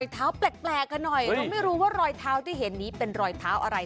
เท้าแปลกกันหน่อยเราไม่รู้ว่ารอยเท้าที่เห็นนี้เป็นรอยเท้าอะไร